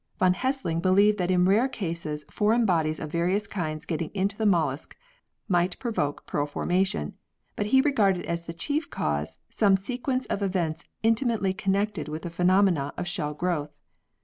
Yon Hessling believed that in rare cases foreign bodies of various kinds getting into the mollusc might provoke pearl formation, but he regarded as the chief cause some sequence of events intimately connected with the phenomena of shell growth.